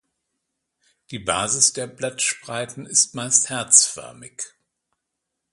Die Basis der Blattspreiten ist meist herzförmig.